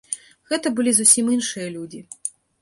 Гэта былі зусім іншыя людзі.